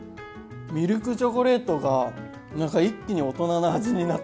ミルクチョコレートが何か一気に大人な味になった。